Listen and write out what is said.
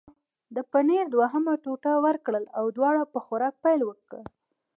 د پنیر دوهمه ټوټه ورکړل او دواړو په خوراک پیل وکړ.